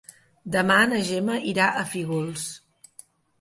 Demà na Gemma anirà a Fígols.